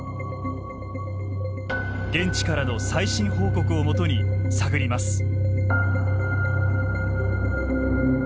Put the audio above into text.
現地からの最新報告をもとに探ります。